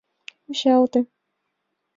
Вучалте.